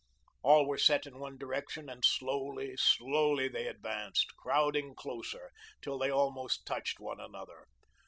All were set in one direction and slowly, slowly they advanced, crowding closer, till they almost touched one another.